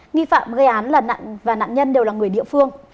nghi phạm gây án là nạn và nạn nhân đều là người địa phương